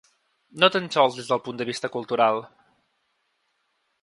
No tan sols des del punt de vista cultural.